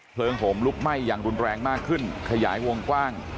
ห่มลุกไหม้อย่างรุนแรงมากขึ้นขยายวงกว้าง